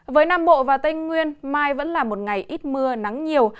với nam bộ và tây nguyên mai vẫn là một ngày ít mưa nắng nhiều